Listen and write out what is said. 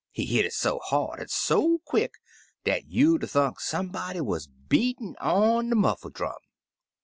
He hit so hard an' so quick dat you'd 'a' thunk somebody wuz beatin' on de muffle' drum.